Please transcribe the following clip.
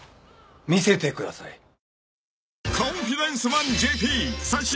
見せてください。